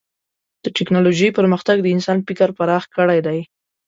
د ټکنالوجۍ پرمختګ د انسان فکر پراخ کړی دی.